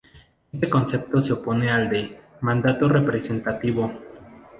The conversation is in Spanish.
Este concepto se opone al de mandato representativo.